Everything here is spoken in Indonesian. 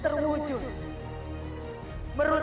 sebelum semua keinginanku terwujud